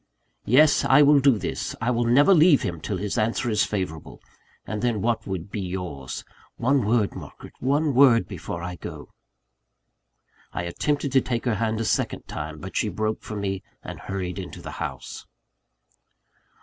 "Yes, I will do this; I will never leave him till his answer is favourable and then what would be yours? One word, Margaret; one word before I go " I attempted to take her hand a second time; but she broke from me, and hurried into the house.